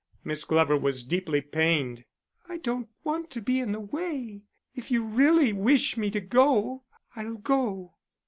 Miss Glover was deeply pained. "I don't want to be in the way. If you really wish me to go, I'll go."